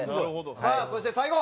さあそして最後。